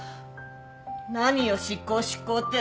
何よ執行執行って。